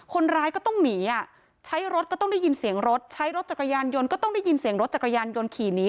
คนร้ายก็ต้องหนีอ่ะใช้รถก็ต้องได้ยินเสียงรถใช้รถจักรยานยนต์ก็ต้องได้ยินเสียงรถจักรยานยนต์ขี่หนี